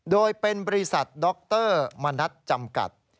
โดยเป็นบริษัทดรมณัฐจำกัด